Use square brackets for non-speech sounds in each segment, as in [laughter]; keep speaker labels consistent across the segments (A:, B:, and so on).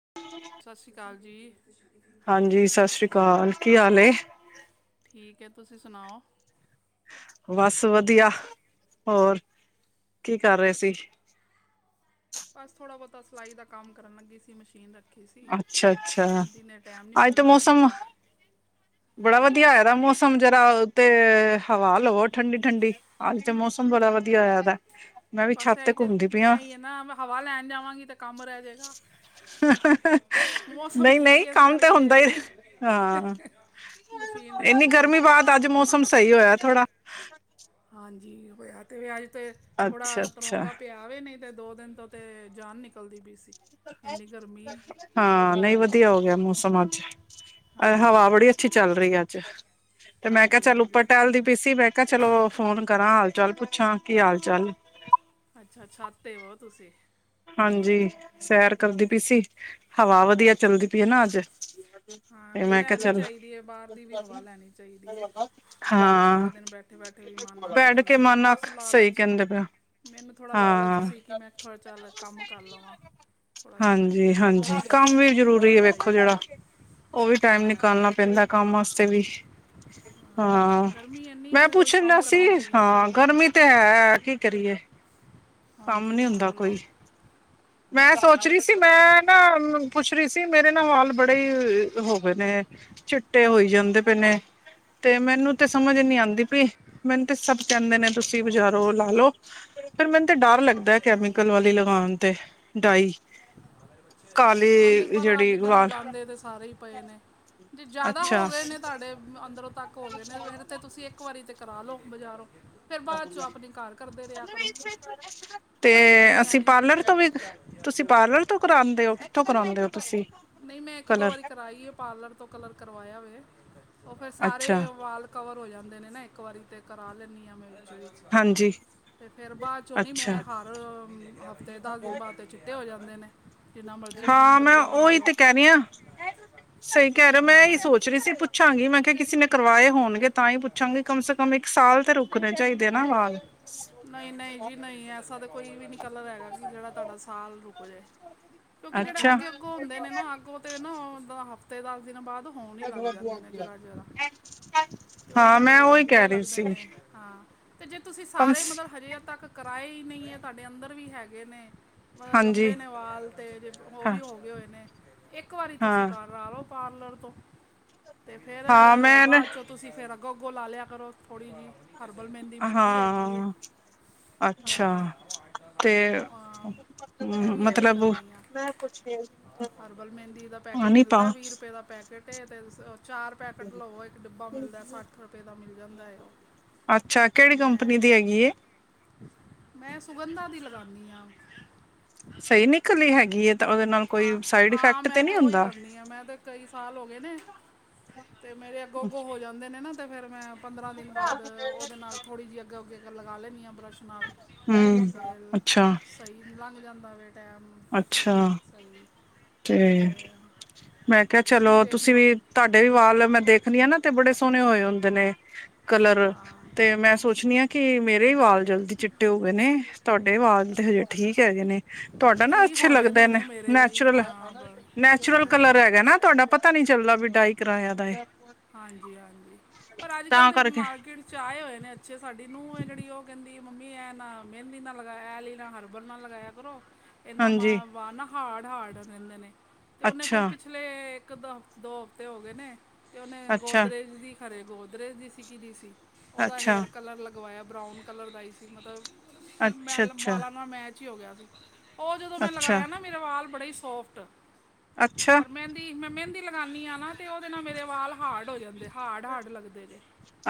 A: [inaudible]
B: ਸਤਿ ਸ਼੍ਰੀ ਅਕਾਲ ਜੀ।
A: ਹਾਂਜੀ, ਸਤਿ ਸ਼੍ਰੀ ਅਕਾਲ। ਕੀ ਹਾਲ ਏ?
B: ਠੀਕ ਐ। ਤੁਸੀਂ ਸੁਣਾਓ?
A: ਬਸ ਵਧੀਆ। ਹੋਰ, ਕੀ ਕਰ ਰਏ ਸੀ?
B: ਬਸ ਥੋੜ੍ਹਾ ਬੋਤਾ ਸਿਲਾਈ ਦਾ ਕੰਮ ਕਰਨ ਲੱਗੀ ਸੀ। ਮਸ਼ੀਨ ਰੱਖ
A: ਅੱਛਾ, ਅੱਛਾ।
B: ਨਹੀਂ
A: ਅੱਜ ਤੇ
B: ਮਿਲਦਾ
A: ਮੌਸਮ, ਬੜਾ ਵਧੀਆ ਹੋਇਆ। ਮੌਸਮ ਜਰਾ ਉਤੇ ਹਵਾ ਲਵੋ, ਠੰਡੀ-ਠੰਡੀ। ਅੱਜ ਤੇ ਮੌਸਮ ਬੜਾ ਵਧੀਆ ਹੋਇਆ ਦਾ। ਮੈਂ ਵੀ
B: ਬਸ
A: ਛੱਤ
B: ਏਈ ਤੇ,
A: ਘੁੰਮਦੀ ਪਈ ਆ
B: ਏਈ ਐ ਨਾਂ ਹਵਾ ਲੈਣ ਜਾਵਾਂਗੀ ਤੇ ਕੰਮ ਰਹਿ ਜੇਗਾ। ਮੌਸਮ
A: ਨਹੀਂ
B: ਠੀਕ
A: ਨਹੀਂ
B: ਐ ਇਸ
A: ਕੰਮ ਤੇ
B: ਕਰਕੇ।
A: ਹੁੰਦਾ ਹੀ
B: ਏਦੇ
A: ਹਾਂ
B: ਮਸ਼ੀਨ
A: ਇੰਨੀ
B: ਰੱਖੀ ਸੀ
A: ਗਰਮੀ
B: ਅਸੀਂ ਤਾਂ
A: ਅੱਜ ਮੌਸਮ ਸਈ ਹੋਇਆ ਥੋੜਾ।
B: ਹਾਂਜੀ, ਹੋਇਆ ਤੇ ਵੇ। ਅੱਜ ਤੇ
A: ਅੱਛਾ
B: ਥੋੜਾ
A: ਅੱਛਾ
B: ਤਰੋਂਕਾ ਪਿਆ ਆਵੇ ਨਹੀਂ ਤੇ ਦੋ ਦਿਨ ਤੋਂ ਤੇ ਜਾਨ ਨਿਕਲਦੀ ਪਈ ਸੀ। ਇੰਨੀ ਗਰਮੀ ਬਹੁਤ
A: ਹਾਂ ਨਹੀਂ
B: ਗਰਮੀ
A: ਵਧੀਆ
B: ਸੀ
A: ਹੋ ਗਿਆ ਮੌਸਮ ਅੱਜ, ਹਵਾ
B: ਹਾਂਜੀ
A: ਬੜੀ- ਅੱਛੀ ਚੱਲ ਰਹੀ ਅੱਜ, ਤੇ ਮੈਂ ਕਿਹਾ
B: ਹਾਂਜੀ
A: ਚੱਲ
B: ਹਾਂਜੀ
A: ਉੱਪਰ ਟਹਿਲ ਦੀ-
B: ਅੱਛਾ
A: ਫੀਸੀ ਮੈਂ ਕਿਹਾ ਚਲੋ ਫੋਨ ਕਰਾਂ ਹਾਲ ਚਾਲ ਪੁੱਛਾਂ ਕੀ ਹਾਲ ਚਾਲ-
B: ਅੱਛਾ-ਅੱਛਾ ਸ਼ਾਤ ਤੇ ਹੋ ਤੁਸੀਂ?
A: ਹਾਂਜੀ, ਸੈਰ ਕਰਦੀ ਪਈ ਸੀ, ਹਵਾ ਵਧੀਆ ਚੱਲਦੀ ਪਈ ਹੈ ਨਾ ਅੱਜ?
B: ਹਾਂ ਨਹੀਂ
A: ਮੈਂ ਕਿਹਾ
B: ਲੈਣੀ
A: ਚੱਲ
B: ਚਾਹੀਦੀ ਹੈ ਬਾਹਰ ਦੀ ਵੀ ਹਵਾ ਲੈਣੀ ਚਾਹੀਦੀ ਹੈ, ਅੰਦਰ ਹੀ
A: ਹਾਂ
B: ਸਾਰਾ ਦਿਨ ਬੈਠੇ- ਬੈਠੇ-ਬੈਠੇ ਵੀ ਮਨ ਅੱਕ
A: ਬੈਠ ਕੇ
B: ਜਾਂਦਾ ਹੈ
A: ਮਨ ਅੱਖ
B: ਬਸ
A: ਸਹੀ
B: ਲਾਲਚ,
A: ਕਹਿੰਦੇ ਪਿਆ
B: ਮੈਨੂੰ ਥੋੜਾ ਲਾਲਚ
A: ਹਾਂ
B: ਸੀ ਕਿ ਮੈਂ- ਥੋੜ੍ਹਾ ਚਲ ਕੰਮ ਕਰ ਲਵਾਂ। ਥੋੜਾ ਸਿਲਾਈ ਦਾ
A: ਹਾਂਜੀ-ਹਾਂਜੀ ਕੰਮ ਵੀ
B: ਤਾਂ
A: ਜ਼ਰੂਰੀ ਹੈ
B: ਨਹੀਂ ਗਈ
A: ਵੇਖੋ ਜਿਹੜਾ- ਉਹ ਵੀ ਟਾਈਮ
B: ਅਹ,
A: ਨਿਕਾਲਣਾ ਪੈਂਦਾ ਕੰਮ ਵਾਸਤੇ ਵੀ। ਹਾਂ,
B: ਅਹ, ਗਰਮੀ ਇੰਨੀ
A: ਮੈਂ
B: ਹੈ ਕੋਈ ਕੰਮ
A: ਪੁੱਛਣਾ
B: ਕਰਨ
A: ਸੀ
B: ਨੂੰ ਜੀ ਨਹੀਂ
A: ਹਾਂ
B: ਕਰਦਾ
A: ਗਰਮੀ- ਤੇ ਹੈ ਕੀ ਕਰੀਏ, ਕੰਮ
B: ਹਾਂਜੀ
A: ਨੀ ਹੁੰਦਾ
B: ਬੋਲੋ
A: ਕੋਈ? ਮੈਂ ਸੋਚ ਰਹੀ ਸੀ ਮੈਂ ਨਾ ਪੁੱਛ ਰਹੀ ਸੀ ਮੇਰੇ ਨਾ ਵਾਲ ਬੜੇ ਹੋ ਗਏ ਨੇ- ਚਿੱਟੇ ਹੋਈ ਜਾਂਦੇ ਪਏ ਨੇ, ਤੇ ਮੈਨੂੰ ਤੇ
B: ਅੱਛਾ
A: ਸਮਝ ਨੀ ਆਉਂਦੀ ਪਈ, ਮੈਨੂੰ ਤੇ ਸਭ ਕਹਿੰਦੇ ਨੇ ਤੁਸੀਂ ਬਜ਼ਾਰੋ ੳਹ ਲਾ ਲੋ ਫਿਰ ਮੈਨੂੰ- ਤੇ ਡਰ ਲੱਗਦਾ ਕੈਮੀਕਲ ਵਾਲੀ ਲਗਾਉਣ ਤੇ, ਡਾਈ।
B: ਹ ਨਹੀਂ
A: ਕਾਲੀ
B: ਪਰ
A: ਜਿਹੜੀ
B: ਅੱਜ-ਕੱਲ੍ਹ
A: ਵਾਲ
B: ਲਗਾਉਂਦੇ ਤੇ ਸਾਰੇ ਹੀ ਪਏ ਨੇ। ਜੇ ਜ਼ਿਆਦਾ ਹੋ
A: ਅੱਛਾ
B: ਗਏ ਨੇ ਤੁਹਾਡੇ ਅੰਦਰੋਂ ਤੱਕ ਹੋ ਗਏ ਨੇ ਫਿਰ- ਤੇ ਤੁਸੀਂ ਇੱਕ ਵਾਰੀ ਤੇ ਕਰਾ ਲੋਓ ਬਜ਼ਾਰੋਂ।
A: ਤੇ
B: ਮੈਂ ਵੀ
A: ਅਸੀਂ
B: ਐਵੇਂ
A: ਪਾਰਲਰ ਤੋਂ ਵੀ- ਤੁਸੀਂ ਪਾਰਲਰ ਤੋਂ ਕਰਾਉਦੇ ਹੋ? ਕਿਥੋ ਕਰਾਉਂਦੇ ਹੋ ਤੁਸੀ?
B: ਨਹੀਂ ਮੈਂ ਇੱਕ ਦੋ ਵਾਰੀ ਕਰਾਈ ਹੈ ਪਾਰਲਰ- ਤੋਂ ਕਲਰ ਕਰਵਾਇਆ ਵੇ, ਉਹ ਫੇਰ ਸਾਰੇ
A: ਅੱਛਾ
B: ਵਾਲ- ਕਵਰ ਹੋ ਜਾਂਦੇ ਨੇ ਨਾ ਇੱਕ ਵਾਰੀ ਤੇ ਕਰਾ ਲੈਂਦੀ ਹਾਂ ਮੈਂ ਵਿਚ ਵਿਚ,
A: ਹਾਂਜੀ
B: ਤੇ ਫੇਰ ਬਾਅਦ ਚੋਂ ਨੀ
A: ਅੱਛਾ
B: ਮੈਂ ਹਰ ਹਫ਼ਤੇ ਦਸ ਦਿਨ ਬਾਅਦ ਤੇ- ਚਿੱਟੇ ਹੋ ਜਾਂਦੇ ਨੇ, ਜਿੰਨਾ ਮਰਜ਼ੀ
A: ਹਾਂ
B: ਵ
A: ਮੈਂ ਉਹੀ ਤੇ ਕਹਿ ਰਹੀ ਹਾਂ, ਸਹੀ ਕਹਿ ਰਿਹੇ ਮੈਂ ਹੀ
B: ਹਾਂ
A: ਸੋਚ- ਪੁੱਛ ਰਹੀ ਸੀ ਪੁੱਛਾਂਗੀ ਮੈਂ ਕਿਹਾ ਕਿਸੇ ਨੇ ਕਰਵਾਏ ਹੋਣਗੇ ਤਾਂ ਹੀ ਪੁੱਛਾਂਗੀ ਕਮ ਸੇ ਕਮ- ਕਮ ਇੱਕ ਸਾਲ ਤੇ ਰੁਕਣੇ ਚਾਹੀਦੇ ਨਾ ਵਾਲ।
B: ਨਹੀਂ-ਨਹੀਂ ਜੀ ਨਹੀਂ ਐਸਾ ਤਾਂ ਕੋਈ ਵੀ ਨਹੀਂ ਕਲਰ ਹੈਗਾ ਕਿ ਜਿਹੜਾ ਤੁਹਾਡਾ ਸਾਲ ਰੁਕ ਜਾਵੇ। ਕਿਉਂਕਿ ਜਿਹੜੇ
A: ਅੱਛਾ
B: ਅੱਗੇ-ਅੱਗੋਂ ਹੁੰਦੇ ਨੇ ਨਾ ਅੱਗੋਂ ਤੇ ਨਾ ਹਫਤੇ ਦਸ ਦਿਨ ਬਾਅਦ- ਹੋਣ ਹੀ ਲੱਗ ਜਾਂਦੇ ਨੇ ਜ਼ਰਾ-ਜ਼ਰਾ। ਤੇ ਉਹ
A: ਹਾਂ
B: ਫੇਰ
A: ਮੈਂ ਉਹੀ
B: ਬੁਰੇ
A: ਕਹਿ ਰਹੀ
B: ਲੱਗਦੇ
A: ਸੀ
B: ਨੇ, ਹਾਂ। ਜੇ ਤੁਸੀਂ
A: ਕਮ
B: ਸਾਰੇ
A: ਸ-
B: ਮਤਲਬ ਹਜੇ ਤੱਕ ਕਰਾਏ ਹੀ ਨਹੀਂ ਹੈ ਤੁਹਾਡੇ ਅੰਦਰ ਵੀ ਹੈਗੇ ਨੇ- ਮਤਲਬ
A: ਹਾਂਜੀ
B: ਲੰਬੇ ਨੇ ਵਾਲ ਤੇ ਜੇ ਉਹ
A: ਹਾਂ
B: ਵੀ ਹੋ ਗਏ ਹੋਏ ਨੇ ਇੱਕ ਵਾਰੀ ਤੁਸੀਂ
A: ਹਾਂ
B: ਕਾਰਾ ਲਓ। ਪਾਰਲਰ ਤੋਂ, ਤੇ ਫੇਰ
A: ਹਾਂ ਮੈਂ ਨਾ
B: ਬਾਅਦ ਚੋਂ ਤੁਸੀਂ ਫਿਰ ਅੱਗੋਂ- ਅੱਗੋ ਲਾ ਲਿਆ ਕਰੋ, ਥੋੜ੍ਹੀ ਜਿਹੀ ਹਰਬਲ ਮਹਿੰਦੀ ਮਿਲਦੀ ਹੈਗੀ ਹੈ
A: ਹਾਂ ਅੱਛਾ,
B: ਹਾਂ
A: ਤੇ
B: ਅਮ ਮੈਂ ਵੀ ਐਵੇਂ ਹੀ
A: ਮਤਲਬ
B: ਕਰਨੀ ਆ ਹਰਬਲ ਮਹਿੰਦੀ ਦਾ ਪੈਕੇਟ
A: ਨੀ ਪਾ
B: ਮਿਲਦਾ ਵੀਹ ਰੁਪਏ ਦਾ, ਪੈਕੇਟ ਤੇ ਚਾਰ ਪੈਕਟ ਲਵੋ, ਇੱਕ ਡਿੱੱਬਾ ਮਿਲਦਾ ਸੱਠ ਰੁਪਏ ਦਾ ਮਿਲ ਜਾਂਦਾ ਹੈ। ਉਹ
A: ਅੱਛਾ,
B: ਤੇ
A: ਕਿਹੜੀ
B: ਮੈਂ
A: ਕੰਪਨੀ ਦੀ ਹੈਗੀ ਹੈ।
B: ਮੈਂ ਸੁਗੰਧਾਂ ਦੀ ਲਗਾਨੀ ਹਾਂ
A: ਸਈ ਨਿਕਲੀ ਹੇਗੀ ਏ
B: ਹਾਂ, ਹਾਂ ਮੈਂ ਤੇ ਉਈ ਕਰਨੀ ਆ, ਮੈਂ ਤੇ ਕਈ ਸਾਲ ਹੋ ਗਏ ਨੇ ਤੇ, ਮੇਰੇ ਅੱਗੋਂ-ਅੱਗੋਂ ਹੋ ਜਾਂਦੇ ਨੇ ਨਾ, ਤੇ ਫੇਰ ਮੈਂ ਪੰਦਰਾਂ ਦਿਨ ਬਾਅਦ, ਉਹਦੇ ਨਾਲ ਥੋੜ੍ਹੀ ਜਹੀ ਅਗੋ ਅੱਗੇ ਲਗਾ ਲੈਂਨੀ ਆ ਬਰਸ਼ ਨਾਲ
A: ਹਮ,
B: ਤੇ
A: ਅੱਛਾ
B: ਸਹੀ, ਲੰਘ ਜਾਂਦਾ ਵੇ ਟਾਈਮ
A: ਅੱਛਾ,
B: ਸਹੀ
A: ਤੇ ਮੈਂ ਕਿਹਾ ਚਲੋ, ਤੁਸੀਂ ਵੀ, ਤੁਹਾਡੇ ਵੀ ਵਾਲ, ਮੈਂ ਦੇਖਨੀ ਆ ਨਾ, ਤੇ ਬੜੇ ਸੋਹਣੇ ਹੋਏ ਹੁੰਦੇ ਨੇ ਕਲਰ
B: ਹਾਂ
A: ਤੇ, ਮੈਂ ਸੋਚਨੀ ਆ ਕਿ ਮੇਰੇ ਈ ਵਾਲ ਜਲਦੀ ਚਿੱਟੇ ਹੋ ਗਏ ਨੇ, ਤੁਹਾਡੇ ਵਾਲ ਤੇ ਹਜੇ ਠੀਕ ਹੈਗੇ ਨੇ ਤੁਹਾਡਾ ਨਾ
B: ਨਹੀਂ
A: ਅੱਛੇ
B: ਹੋਏ
A: ਲੱਗਦੇ
B: ਦੇ
A: ਨੇ,
B: ਮੇਰੇ ਵੀ
A: ਨੈਚੁਰਲ,
B: ਹਾਂ ਬ-
A: ਨੈਚੁਰਲ
B: ਹਾਂ,
A: ਕਲਰ ਹੈਗਾ ਨਾ ਤੁਹਾਡਾ, ਪਤਾ ਨੀ ਚੱਲਦਾ ਵੀ ਡਾਈ ਕਿਰਾਇਆ ਦਾ ਏ
B: ਹਾਂਜੀ-ਹਾਂਜੀ, ਪਰ ਅੱਜ ਕੱਲ੍ਹ
A: ਤਾਂ
B: ਦੇ
A: ਕਰਕੇ
B: ਮਾਰਕੀਟ ਚ ਆਏ ਹੋਏ ਨੇ ਅੱਛੇ, ਸਾਡੀ ਨੂੰਹ ਏ, ਜੇਹੜੀ ਉਹ ਕਹਿੰਦੀ ਮੰਮੀ ਇਹ ਨਾ, ਮੇਹਿੰਦੀ ਨਾਲ ਲਗਾਇਆ, ਅ ਆਲੀ ਨਾਲ ਹਰਬਲ ਨਾਲ ਲਗਾਇਆ ਕਰੋ, ਇਹਨਾ
A: ਹਾਂਜੀ
B: ਮਾ ਵਾਲ ਨਾ ਹਾਰਡ- ਹਾਰਡ ਰਹਿੰਦੇ ਨੇ, ਤੇ ਉਹਨੇ ਫੇਰ
A: ਅੱਛਾ
B: ਪਿਛਲੇ ਇੱਕ ਦੋ, ਦੋ ਹਫ਼ਤੇ ਹੋ ਗਏ ਨੇ ਤੇ ਉਹਨੇ
A: ਅੱਛਾ
B: ਗੋਦਰਰੇਜ ਦੀ ਖਰੇ ਗੋਦਰਰੇਜ ਦੀ ਸੀ, ਕਿਦੀ ਸੀ ਉਹਦਾ
A: ਅੱਛਾ
B: ਹੇਅਰ ਕਲਰ ਲਗ ਗਵਾਇਆ ਬਰਾਊਨ ਕਲਰ ਦਾ ਹੀ ਸੀ, ਮਤਲਬ
A: ਅੱਛਾ
B: ਮੈ
A: ਅੱਛਾ
B: ਵਾਲਾਂ ਨਾਲ ਮੈਚ ਹੀ ਹੋ ਗਿਆ ਸੀ। ਉਹ ਜਦੋਂ ਮੈਂ
A: ਅੱਛਾ
B: ਲਗਾਇਆ ਨਾ, ਮੇਰੇ ਵਾਲ ਬੜੇ ਈ ਸੋਫਟ,
A: ਅੱਛਾ
B: ਪਰ ਮੈਂ ਕੀ, ਮੈਂ ਮਹਿੰਦੀ ਲਗਾਂਨੀ ਆ ਨਾ, ਤੇ ਉਹਦੇ ਨਾਲ ਮੇਰੇ ਵਾਲ ਹਾਰਡ ਹੋ ਜਾਂਦੇ, ਹਾਰਡ- ਹਾਰਡ ਲੱਗਦੇ ਜੇ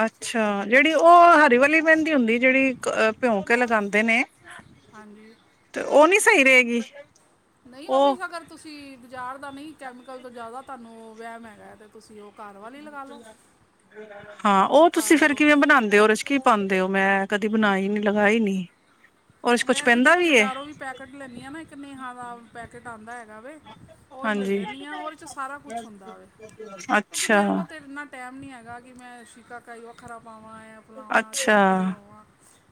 A: ਅੱਛਾ, ਜੇਹੜੀ ਉਹ ਹਰੀ ਵਾਲੀ ਮੇਹਿੰਦੀ ਹੁੰਦੀ ਜੇਹੜੀ, ਅ ਪਿਓਕੇ ਕੇ ਲਗਾਦੇ ਨੇ
B: ਹਂ ਜੀ
A: ਤੇ, ਉਹ ਨੀ ਸਹੀ ਰਹੇਗੀ
B: ਨਈ, ਉਹ ਵੀ ਅਗਰ ਤੁਸੀਂ ਬਾਜ਼ਾਰ ਦਾ ਨਈ ਕੈਮੀਕਲ, ਤੋਂ ਜ਼ਿਆਦਾ ਤੁਹਾਨੂੰ ਵੇਹਿਮ ਹੈਗਾ ਹੈ, ਤੇ ਤੁਸੀਂ ਉਹ ਘਾਰ ਵਾਲੀ ਲਗਾ ਲੋੋ
A: ਹਾਂ, ਉਹ ਤੁਸੀਂ ਫੇਰ ਕਿਵੇਂ ਬਨਾਦੇ ੳ, ਉਹਦੇ ਚ ਕੀ ਪਾਂਦੇ ੳ, ਮੈਂ ਕਦੀ ਬਨਾਈ ਨੀ, ਲਗਾਈ ਨੀ ਉਹਦੇ ਚ ਕੁਛ
B: ਮੈਂ ਤੇ,
A: ਪੈਂਦਾ
B: ਜਦੋਂ
A: ਹੈ
B: ਬਾਜ਼ਾਰੋਂ ਵੀ ਪੈਕੇਟ ਲੈਂਨੀ ਆ ਨਾ ਇੱਕ ਨੇਹਾ ਦਾ ਪੈਕੇਟ ਆਂਦਾ ਹੈਗਾ ਵੇ, ਉਹੀ ਲੈ
A: ਹਾਂਜੀ
B: ਲੈਂਨੀ ਆ, ਉਹਦੇ ਚ ਸਾਰਾ ਕੁਛ ਹੁੰਦਾ ਵੇ ਕਿਉਂਕਿ
A: ਅੱਛਾ
B: ਮੇਰੇ ਕੋਲ ਤੇ ਇੰਨਾ ਟਾਈਮ ਨੀ ਹੈਗਾ ਕਿ ਮੈਂ, ਸੀ਼ਕਾਕਾਈ ਵੱਖਰਾ ਪਾਵਾਂ, ਐ ਫਲਾਣਾ
A: ਅੱਛਾ
B: ਚੀਜ਼ ਭੜੋਏਵਾਂ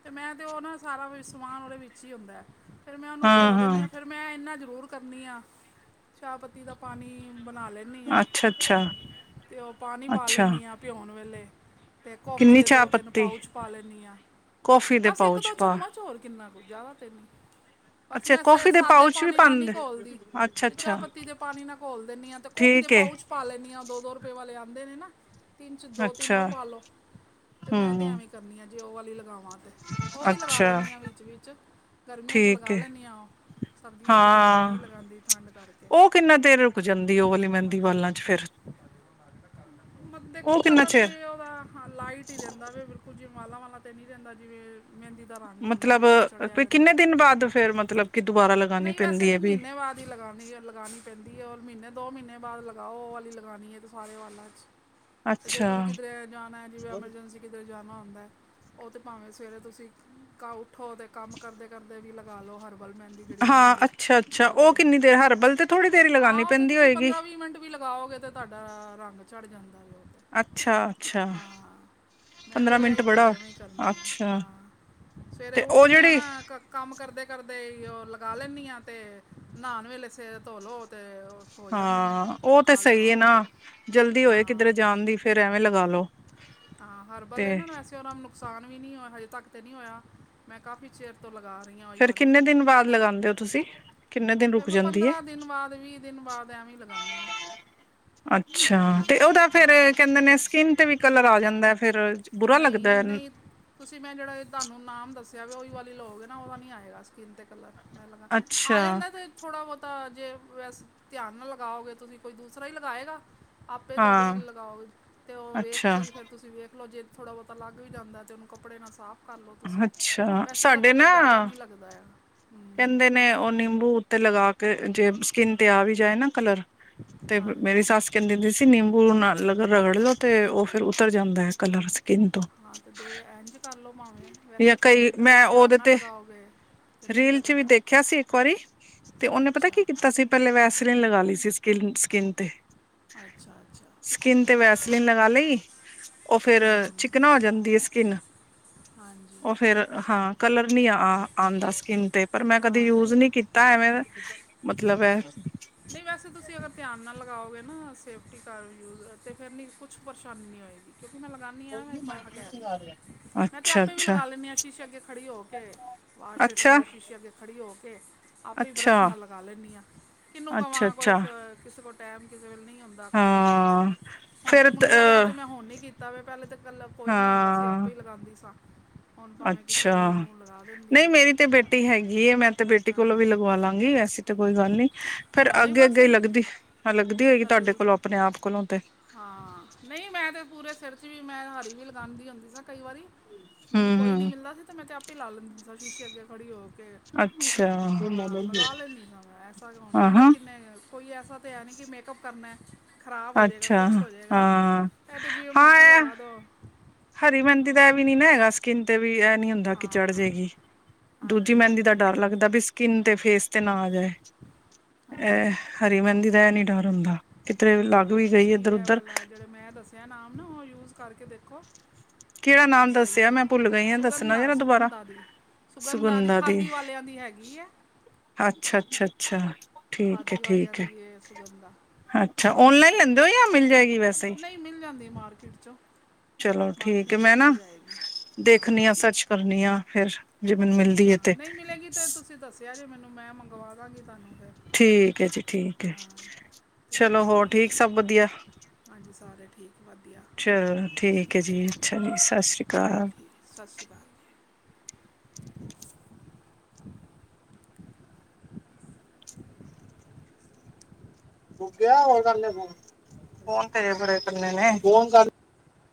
B: ਤੇ, ਮੈਂ ਤੇ ਉਹ ਨਾ ਸਾਰਾ ਵਿਚ ਸਮਾਨ ਉਹਦੇ ਵਿੱਚ ਹੀ ਹੁੰਦੇ, ਫਿਰ ਮੈਂ ਉਹਨੂੰ
A: ਹਾਂ
B: ਭੀਓ ਦੇਨੀ ਆ,
A: ਹਾਂ
B: ਫਿਰ ਮੈਂ ਏਨਾ ਜ਼ਰੂਰ ਕਰਨੀ ਆ, ਚਾਹ ਪੱਤੀ ਦਾ ਪਾਨੀ ਬਨਾ ਲੈ ਨੀ ਆ,
A: ਅੱਛਾ ਅੱਛਾ
B: ਤੇ ਉਹ ਪਾਨੀ ਪਾ
A: ਅੱਛਾ
B: ਲੈਂਨੀ ਆ ਪਿਓਨ ਵੇਲੇ ਤੇ ਕੌਫੀ
A: ਕਿੰਨੀ
B: ਦੇ
A: ਚਾਹ
B: ਦੋ, ਤਿੰਨ
A: ਪੱਤੀ
B: ਪਾਊਚ ਪਾ ਲੈਂਨੀ ਆ,
A: ਕੌਫੀ ਦੇ
B: ਬਸ ਇੱਕ
A: ਪਾਊਚ
B: ਦੋ
A: ਪਾ
B: ਚਮਚ ਤੇ, ਹੋਰ ਕਿੰਨਾ ਕੁੱ ਜਾਂਦਾ ਤੇ ਨੀ ਬਸ
A: ਅੱਛਾ
B: ਮੈਂ
A: ਕੌਫੀ ਦੇ
B: ਸਾਦੇ
A: ਪਾਊਚ ਵੀ
B: ਪਾਨੀ ਨਾਲ ਨੀ
A: ਪਾਉਂਦੇ
B: ਘੋਲਦੀ,
A: ਅੱਛਾ
B: ਤੇ ਚਾਹ
A: ਅੱਛਾ
B: ਪੱਤੀ ਦੇ ਪਾਨੀ ਨਾਲ ਘੋਲ ਦੇਨੀ ਆ, ਤੇ ਕੌਫੀ ਦੇ
A: ਠੀਕ ਹੈ
B: ਪਾਊਚ ਪਾ ਲੈਂਨੀ ਆ, ਦੋ- ਦੋ ਰੁਪਏ ਵਾਲੇ ਆਂਦੇ ਨੇ ਨਾ ਤਿੰਨ ਚ ਦੋ ਤਿੰਨ ਉਹ
A: ਅੱਛਾ
B: ਪਾ ਲੋ, ਤੇ ਮੈਂ ਤੇ
A: ਹਮ
B: ਐਵੇਂ ਈ ਕਰਨੀ ਆ ਜੇ ਉਹ ਵਾਲੀ ਲਗਾਵਾ ਤੇ ਉਹ ਵੀ ਲਗਾ
A: ਅੱਛਾ
B: ਲੈਂਨੀ ਆ, ਵਿੱਚ- ਵਿੱਚ ਗਰਮੀਆਂ ਚ
A: ਠੀਕ
B: ਲਗਾ
A: ਹੈ
B: ਲੈਂਨੀ ਆ ਉਹ ਸਰਦੀਆਂ ਚ ਫੇਰ
A: ਹਾਂ
B: ਨੀ ਲਗਾਦੀ, ਠੰਡ ਕਰਕੇ
A: ਉਹ ਕਿੰਨਾ ਦੇਰ ਰੁਕ ਜਾਂਦੀ ਉਹ ਵਾਲੀ ਮਹਿੰਦੀ ਵਾਲਾਂ ਚ ਫੇਰ
B: ਦੇਖੋ
A: ਉਹ ਕਿੰਨਾ
B: ਕਲਰ ਤੇ
A: ਚਿਰ
B: ਓਹਦਾ ਹਾਂ ਲਾਈਟ ਈ ਰੇਹਦਾ ਵੇ, ਬਿਲਕੁਲ ਜੇ ਵਾਲਾ ਵਾਲਾ ਤੇ ਨੀ ਰਹੰਦਾ, ਜਿਵੇ ਮਹਿੰਦੀ ਦਾ ਰੰਗ ਹੁੰਦਾ
A: ਮਤਲਬ
B: ਵੇ ਉਹੀ ਚੜਿਆ
A: ਵੀ
B: ਰਹਿੰਦਾ
A: ਕਿੰਨੇ
B: ਹੈ
A: ਦਿਨ ਬਾਦ ਫੇਰ ਮਤਲਬ ਕੀ ਦੁਬਾਰਾ ਲਗਾਨੀ ਪੈਂਦੀ ਏ ਵੀ।
B: ਤੀ ਲਗਾਨੀ ਏ ਲਗਾਨੀ ਪੈਂਦੀ ਐ ਔਰ ਮਹੀਨੇ ਦੋ ਮਹੀਨੇ ਬਾਦ ਲਗਾਓ, ਓ ਆਲੀ ਲਗਾਨੀ ਏ ਤੇ ਸਾਰੇ ਵਾਲਾ ਚ। ਤੇ ਜੇ
A: ਅੱਛਾ
B: ਤੁਸੀਂ ਕਿਧਰੇ ਜਾਨੇ ਜਿਵੇਂ ਐਮਰਜੈਂਸੀ- ਕਿੱਧਰੇ ਜਾਣਾ ਹੁੰਦੈ ਓ ਤੇ ਭਾਵੇਂ ਸਵੇਰੇ ਤੁਸੀਂ ਕਾ ਉੱਠੋ ਤੇ ਕੰਮ ਕਰਦੇ-ਕਰਦੇ ਵੀ ਲਗਾ ਲੋ ਹਰਬ ਹਰਬਲ ਮੈਂਦੀ ਜੇੜੀ
A: ਹਾਂ
B: ਹੁੰਦੀ ਏ,
A: ਅੱਛਾ ਅੱਛਾ
B: ਓ
A: ਉਹ
B: ਤੇ
A: ਕਿੰਨੀ ਦੇਰ ਹਰਬਲ ਤੇ ਥੋੜ੍ਹੀ ਦੇਰ ਹੀ
B: ਹਾਂ
A: ਲਗਾਉਣੀ
B: ਓ ਤੇ
A: ਪੈਂਦੀ
B: ਤੁਸੀਂ
A: ਹੋਏਗੀ
B: ਪੰਦਰਾਂ-ਵੀਹ ਮਿੰਟ ਵੀ ਲਗਾਓਗੇ ਤੇ ਤਵਾਡਾ ਰੰਗ ਚੜ੍ਹ ਜਾਂਦਾ ਵੇ ਓਤੇ।
A: ਅੱਛਾ ਅੱਛਾ,
B: ਮੈਂ ਤੇ
A: ਪੰਦਰਾਂ ਮਿੰਟ
B: ਉਹੀ ਕਰ
A: ਬੜਾ,
B: ਐਵੇਂ ਹੀ ਕਰਨੀ ਆ
A: ਅੱਛਾ।
B: ਹਾਂ ਸਵੇਰੇ
A: ਤੇ ਉਹ
B: ਉੱਠਣੀ ਆਂ
A: ਜਿਹੜੀ
B: ਨਾ ਕ ਕੰਮ ਕਰਦੇ ਕਰਦੇ ਈ ਓ ਲਗਾ ਲੈਂਣੀ ਆ ਤੇ ਨਾਨ ਵੇਲੇ ਸੇਰ ਧੋਲੋ ਤੇ ਓ
A: ਹਾਂ, ਓ ਤੇ ਸ‌ਈ ਏ ਨਾ। ਜਲਦੀ ਹੋਏ
B: ਹਾਂ
A: ਕਿਧਰੇ ਜਾਣ ਦੀ ਫੇਰ ਐਵੇਂ ਲਗਾ ਲੋੋ।
B: ਹਾਂ, ਹਰਬੱਲ ਏ ਨਾਂ ਵੈਸੇ ਓਦਾ ਨੁਕਸਾਨ ਵੀ ਨੀ ਓ ਹਜੇ ਤਕ ਤੇ ਨੀ ਹੋਇਆ। ਮੈਂ ਕਾਫ਼ੀ ਚੇਰ ਤੋਂ ਲਗਾ ਰੀ ਆਂ ਓਈ
A: ਫੇਰ
B: ਵਾਲੀ।
A: ਕਿੰਨੇ ਦਿਨ ਬਾਦ ਲਗਾਂਦੇ ਓ ਤੁਸੀਂ। ਕਿੰਨੇ ਦਿਨ
B: ਫੇਰ
A: ਰੁਕ
B: ਮੈਂ
A: ਜਾਂਦੀ ਹੈ
B: ਪੰਦਰਾਂ ਦਿਨ ਬਾਦ, ਵੀ ਦਿਨ ਬਾਦ ਐਵੇਂ ਈ ਲਗਾਂਣੀ ਆਂ।
A: ਅੱਛਾ, ਤੇ ਓਦਾ ਫੇਰ
B: ਹਾਂ
A: ਕੈਂਦੇ ਨੇ ਸਕਿਨ ਤੇ ਵੀ ਕਲਰ ਆ ਜਾਂਦੈ ਫੇਰ ਬੁਰਾ
B: ਨਈ
A: ਲੱਗਦਾ
B: ਨਈ, ਤੁਸੀਂ ਮੈਂ ਜੇੜਾ ਤੁਆਨੂੰ ਨਾਮ ਦੱਸਿਆ ਵੇ ਓਈ ਵਾਲੀ ਲ‌ਓ ਗੇਨਾ ਓਦਾ ਨੀ ਆਏਗਾ। ਸਕਿਨ ਤੇ ਕਲਰ, ਮੈਂ ਲੱਗਾਣ--ਆ
A: ਅੱਛਾ
B: ਜਾਂਦਾ ਤੇ ਥੋੜਾ ਬੋਤਾ ਜੇ ਵੈਸ ਧਿਆਨ ਨਾਲ ਲਗਾਓਗੇ ਤੁਸੀਂ ਕੋਈ ਦੂਸਰਾ ਈ ਲਗਾਏਗਾ। ਆਪੇ ਤੋਡੀ
A: ਹਾਂ
B: ਲਗਾਓ ਤੇ ਓ ਵੇਖ ਕੇ
A: ਅੱਛਾ
B: ਈ ਫੇਰ ਤੁਸੀਂ ਵੇਖ ਲੋ ਜੇ ਥੋੜ੍ਹਾ ਬੋਤਾ ਲਗ ਵੀ ਜਾਂਦੈ ਤੇ ਓਨੂੰ ਕੱਪੜੇ ਨਾਲ ਸਾਫ਼ ਕਰ ਲੋ ਤੁਸੀਂ।
A: ਅੱਛਾ
B: ਵੈਸੇ ਓਦਾ
A: ਸਾਡੇ
B: ਕਲਰ ਜਾਦਾ ਨੀ ਲੱਗਦਾ ਹੈਗਾ, ਹੂੰ।
A: ਕੈਂਦੇ ਨੇ ਓ ਨਿੰਬੂ ਉੱਤੇ ਲਗਾ ਕੇ ਜੇ ਸਕਿਨ ਤੇ ਆ ਵੀ ਜਾਏ ਨਾ ਕਲਰ ਤੇ ਮੇਰੀ
B: ਹਾਂਜੀ
A: ਸੱਸ ਸਕਿਨ ਦਿੰਦੀ ਸੀ ਨਿੰਬੂ ਨਾਲ ਲਗਰ ਰਗੜ ਲੋ ਤੇ ਓ ਫੇਰ ਉਤਰ ਜਾਂਦੈ ਕਲਰ ਸਕਿੰਨ ਤੋਂ।
B: ਹਾਂ ਤੇ ਦੇ ਐਂਝ ਕਰ ਲੋ ਭਾਵੇਂ।
A: ਜਾਂ
B: ਵੈਸੇ ਤੇ
A: ਕਈ
B: ਅਗਰ
A: ਮੈਂ
B: ਧਿਆਨ
A: ਉਹਦੇ
B: ਨਾਲ
A: ਤੇ
B: ਲਗਾਓਗੇ ਤੇ ਨਹੀਂ
A: ਰੀਲ ਚ ਵੀ
B: ਲੱਗਦਾ
A: ਦੇਖਿਆ ਸੀ ਇੱਕ ਵਾਰੀ ਤੇ ਓਨੇ ਪਤੈ
B: ਅੱਛਾ
A: ਕੀ ਕੀਤਾ ਸੀ ਪੈਲੇ ਵੈਸ ਰੀਨ ਲਗਾ ਲੀ ਸੀ ਸਕਿਲ ਸਕਿੰਨ ਤੇ।
B: ਅੱਛਾ ਅੱਛਾ
A: ਸਕਿਨ ਤੇ ਵੈਸਲਿਨ ਲਗਾ ਲਈ। ਓ ਫੇਰ
B: ਹਮ
A: ਚਿਕਨਾ ਹੋ ਜਾਂਦੀ ਏ ਸਕਿੰਨ।
B: ਹਾਂਜੀ
A: ਓ ਫੇਰ ਹਾਂ ਕਲਰ ਨੀ ਆ ਆਂਦਾ ਸ ਤੇ ਪਰ ਮੈਂ ਕਦੇ
B: ਹਾਂ
A: ਯੂਸ
B: ਨਹੀਂ
A: ਨੀ ਕੀਤਾ ਐਵੇਂ ਮਤਲਬ ਐ
B: ਨਈ ਵੈਸੇ ਤੁਸੀਂ ਅਗਰ ਧਿਆਨ ਨਾਲ ਲਗਾਓਗੇ ਨਾ ਸੇਫਟੀ ਕਰ ਯੂਸ ਅਤੇ ਫੇਰ ਨੀ ਕੁਛ ਪਰੇਸ਼ਾਨੀ ਨੀ ਹੋਏਗੀ। ਕਿਉਂਕਿ ਮੈਂ ਲਗਾ
A: ਓਨਲੀ ਨੈਵੀਗੇਸ਼ਨ ਆ ਰਿਐ।
B: ਮੈਂ ਤੇ ਆਪੇ ਵੀ ਲਗਾ ਲੈਂਨੀ ਆ, ਸ਼ੀਸ਼ੇ ਅੱਗੇ ਖੜੀ ਹੋ ਕੇ, ਵਾਸ਼ ਪੇਸ਼ਣ
A: ਅੱਛਾ,
B: ਦੇ ਸ਼ੀਸ਼ੇ ਅੱਗੇ ਖੜੀ ਹੋ ਕੇ ਆਪੇ ਈ
A: ਅੱਛਾ,
B: ਬਰੱਸ਼ ਨਾਲ ਲਗਾ ਲੈਂਣੀ ਆਂ। ਕਿਨੂੰ
A: ਅੱਛਾ,
B: ਕਵਾਂ ਕੋਈ
A: ਅੱਛਾ
B: ਸ ਕਿਸੇ ਕੋਲ ਟੈਮ ਕਿਸੇ ਵੇਲੇ ਨਈ ਹੁੰਦਾ। ਕੋਈ
A: ਹਾਂ
B: ਹੁਣ ਤੇ
A: ਫੇਰ
B: ਮੁੰਡੇ ਦਾ ਵਿਆ
A: ਅ
B: ਤੇ ਮੈਂ ਹੁਣ ਈ ਕੀਤਾ ਵੇ। ਪੈਲੇ ਤਾਂ ਕਲਾ ਕੋਈ ਨੀ ਹੁੰਦਾ ਸੀ
A: ਹਾਂ,
B: ਆਪੇ ਈ ਲਗਾਂਦੀ ਸਾਂ। ਹੁਣ ਭਾਵੇਂ ਕਿਸੇ
A: ਅੱਛਾ,
B: ਵੇਲੇ ਨੂੰ ਲਗਾ ਦਿੰਦੀ
A: ਨਈ
B: ਹੈ
A: ਮੇਰੀ ਤੇ ਬੇਟੀ ਹੈਗੀ ਏ, ਮੈਂ ਤੇ ਬੇਟੀ ਕੋਲੋਂ ਵੀ
B: ਹਾਂ
A: ਲਗਵਾ ਲਾਂਗੀ। ਵੈਸੇ ਤੇ ਕੋਈ ਗੱਲ ਨੀ। ਫੇਰ
B: ਹਾਂ ਨਹੀਂ
A: ਅੱਗੇ
B: ਬਸ
A: ਅੱਗੇ ਈ ਲੱਗਦੀ ਹਾਂ ਲੱਗਦੀ ਹੋਏਗੀ ਤਾਡੇ
B: ਕੱਲ
A: ਕੋਲੋਂ ਅਪਣੇ-ਆਪ ਕੋਲੋਂ ਤੇ?
B: ਹਾਂ, ਨਈ ਮੈਂ ਤੇ ਪੂਰੇ ਸੇਰ ਚ ਵੀ ਮੈਂ ਹਰੀ ਵੀ ਲਗਾਂਦੀ ਹੁੰਦੀ ਸਾਂ ਕਈ ਵਾਰੀ। ਮੈਨੂੰ ਕੋਈ ਨੀ
A: ਹੂੰ-ਹੂੰ
B: ਮਿਲਦਾ ਸੀ ਤੇ ਮੈਂ ਤੇ ਆਪੇ ਈ ਲਾ ਲੈਂਦੀ ਸਾਂ ਸ਼ੀਸ਼ੇ ਅੱਗੇ ਖੜੀ ਹੋ ਕੇ।
A: ਅੱਛਾ
B: ਹਾਂ, ਲਗਾ ਲੈਂਦੀ ਸਾ ਮੈਂ, ਐਸਾ ਕਿਉਂ ਅੰਦਰ
A: ਆਹਾਂ
B: ਕਿੰਨੇ ਕੋਈ ਐਸਾ ਤੇ ਹੈ ਨੀ ਕੀ ਮੇਕਅਪ ਕਰਨੈ, ਖਰਾਬ ਹੋ ਜੇਗਾ।
A: ਅੱਛਾ
B: ਕੁਛ ਹੋ ਜੇਗਾ,
A: ਹਾਂ,
B: ਐ ਤੇ ਜਿਵੇਂ
A: ਹਾਂ
B: ਮਰਜ਼ੀ
A: ਇਹ
B: ਲਗਾ ਦੋ।
A: ਹਰੀ ਮੈਂਦੀ ਦਾ ਐਵੀ ਨੀ ਨਾ ਹੈਗਾ, ਸ ਸਕਿੰਨ ਤੇ ਵੀ ਐ ਨੀ ਹੁੰਦਾ ਕਿ ਚੜ
B: ਹਾਂ
A: ਜੇਗੀ। ਦੂਜੀ
B: ਹਾਂਜੀ
A: ਮੈਂਦੀ ਦਾ
B: ਹਾਂਜੀ
A: ਡਰ ਲੱਗਦੈ ਬੀ ਸ ਕਿੰਨ ਤੇ ਫੇਸ ਤੇ ਨਾ ਆ ਜਾਏ। ਐ
B: ਹਾਂਜੀ
A: ਹਰੀ ਮੈਂਦੀ ਦਾ ਐ ਨੀ ਡਰ ਹੁੰਦਾ, ਕਿਧਰੇ ਲੱਗ ਵੀ ਗਈ ਏਧਰ-ਊਧਰ
B: ਕਯਾ ਨਾਮ ਨਾ ਓ ਯੂਜ ਕਰਕੇ ਦੇਖੋ ਤੇ
A: ਕਿਹੜਾ ਨਾਮ ਦੱਸਿਆ
B: ਸਈ ਐ
A: ਮੈਂ ਭੁੱਲ ਗਈ ਹਾਂ ਦੱਸਣਾ ਜਰਾ ਦੁਬਾਰਾ
B: ਸੁਗੰਧਾ-ਸੁਗੰਧਾ ਦੀ। ਸੁਗੰਧਾਂ ਦੀ ਖਾਦੀ ਵਾਲੇਆਂ ਦੀ ਹੈਗੀ ਐ।
A: ਅੱਛਾ-ਅੱਛਾ-ਅੱਛਾ, ਠੀਕ
B: ਖਾਦੀ ਵਾਲਿਆਂ
A: ਐ-ਠੀਕ ਐ
B: ਦੀ ਇਹ ਸੁਗੰਧਾ
A: ਅੱਛਾ
B: ਤੇ
A: ਔਨਲਾਈਨ ਲੇਂਦੇ ਓ ਯਾ ਮਿਲ ਜਾਏਗੀ ਵੈਸੇ
B: ਨਹੀਂ ਮਿਲ ਜਾਂਦੀ ਏ ਮਾਰਕੀਟ ਚੋਂ।
A: ਚਲੋ ਠੀਕ ਏ
B: ਮਾਰਕੀਟ ਚੋਂ
A: ਮੈਂ
B: ਮਿਲ
A: ਨਾ
B: ਜਾਏਗੀ ਹਾਂ
A: ਦੇਖਣੀ ਆ ਸਰਚ ਕਰਨੀ ਆ ਫਿਰ। ਜੇ ਮੈਨੂੰ ਮਿਲਦੀ ਹੈ
B: ਹਾਂ
A: ਤੇ
B: ਨਈ ਮਿਲੇਗੀ ਤੇ ਤੁਸੀਂ ਦੱਸਿਆ ਜੇ ਮੈਨੂੰ ਮੈਂ ਮੰਗਵਾ ਦਾਂਗੀ ਤਾਨੂੰ ਫੇਰ।
A: ਠੀਕ ਏ ਜੀ, ਠੀਕ ਏ
B: ਤੇ
A: ਚਲੋ
B: ਕੀ
A: ਹੋਰ ਠੀਕ ਸਭ ਵਧੀਆ।
B: ਹਾਂਜੀ ਸਾਰੇ ਠੀਕ ਵਧੀਆ।
A: ਚਲੋ ਠੀਕ ਏ ਜੀ, ਅੱਛਾ ਜੀ ਸਾਸ ਸ਼੍ਰੀ ਕਾਲ।
B: ਸਾਸ ਸ਼੍ਰੀ ਕਾਲ।
A: ਬੁਗਿਆ ਹੋਰ ਕਰ ਲੈ ਫੋਨ, ਫੋਨ ਤੇ ਹਜੇ ਬਰੇ ਕਰਨੇ ਨੇ, ਫੋਨ ਕਰ।